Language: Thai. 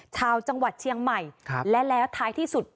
ชาวจังหวัดเชียงใหม่และแล้วท้ายที่สุด